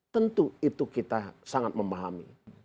tentu itu kita sangat memahami